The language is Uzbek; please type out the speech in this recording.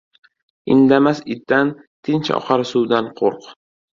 Indamas itdan, tinch oqar suvdan qo‘rq.